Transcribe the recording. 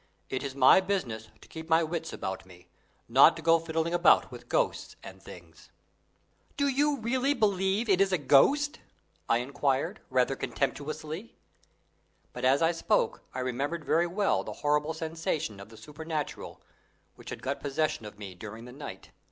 "It is my business to keep my wits about me not to go fiddling about with ghosts and things." "Do you really believe it is a ghost?" I enquired, rather contemptuously. But as I spoke I remembered very well the horrible sensation of the supernatural which had got possession of me during the night.